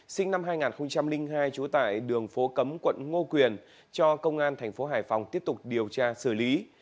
sinh năm hai nghìn hai trú tại đường phố cấm quận ngô quyền cho công an thành phố hải phòng tiếp tục điều tra xử lý